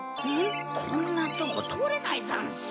こんなとことおれないざんす。